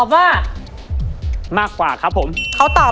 แล้ววันนี้ผมมีสิ่งหนึ่งนะครับเป็นตัวแทนกำลังใจจากผมเล็กน้อยครับ